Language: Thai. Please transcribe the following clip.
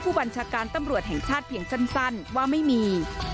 บัญชาการตำรวจแห่งชาติเพียงสั้นว่าไม่มี